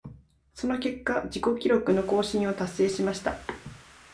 その結果、自己記録の更新を達成しました。